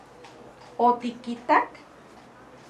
¿Otikitak...?